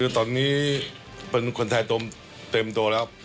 ตอนนี้เป็นคนไทยเต็มตัวแล้ว